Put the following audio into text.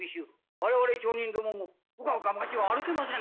我々町人どももうかうか町を歩けませんでな。